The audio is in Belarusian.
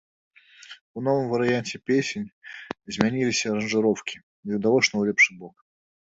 У новым варыянце песень змяніліся аранжыроўкі, відавочна ў лепшы бок.